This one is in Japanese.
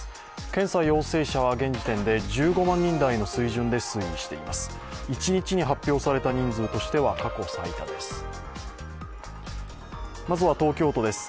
検査陽性者は現時点で１５万人台の水準で推移しています。